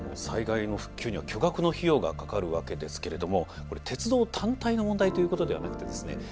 災害の復旧には巨額の費用がかかるわけですけれどもこれ鉄道単体の問題ということではなくてですね